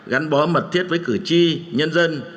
gắn bó mật thiết với cử tri nhân dân